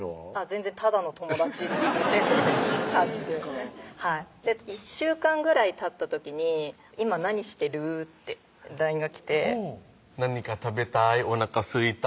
全然ただの友達って感じで１週間ぐらいたった時に「今何してる？」ってＬＩＮＥが来て「何か食べたい？おなかすいた？」